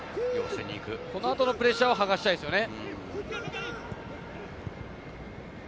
この後のプレッシャーは剥がしたいですよね。